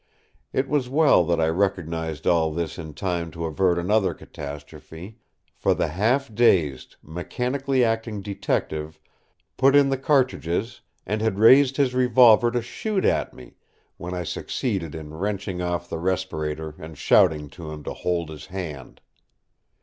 It was well that I recognised all this in time to avert another catastrophe; for the half dazed, mechanically acting Detective put in the cartridges and had raised his revolver to shoot at me when I succeeded in wrenching off the respirator and shouting to him to hold his hand.